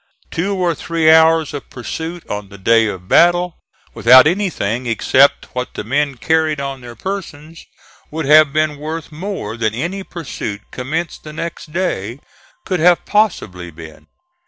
Two or three hours of pursuit on the day of battle, without anything except what the men carried on their persons, would have been worth more than any pursuit commenced the next day could have possibly been.